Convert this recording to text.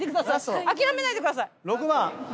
諦めないでください。